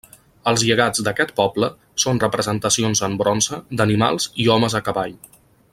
Els llegats d'aquest poble són representacions en bronze d'animals i homes a cavall.